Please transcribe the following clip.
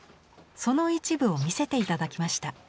その一部を見せて頂きました。